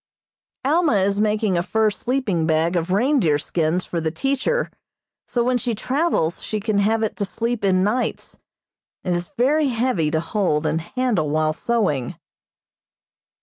Alma is making a fur sleeping bag of reindeer skins for the teacher, so when she travels she can have it to sleep in nights. It is very heavy to hold and handle while sewing.